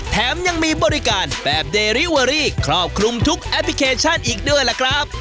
แถมยังมีบริการแบบเดริเวอรี่ครอบคลุมทุกแอปพลิเคชันอีกด้วยล่ะครับ